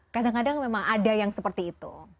kadang kadang memang ada yang seperti itu